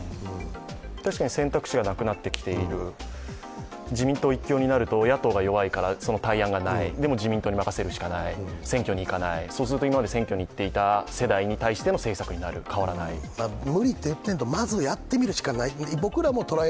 確かに選択肢がなくなってきている、自民党一強になると野党が弱いからその対案がない自民党に任せるしかない選挙に行かない、そうすると今まで選挙に行っていた世代に対する無理っていってないでまずやってみる、僕らもトライ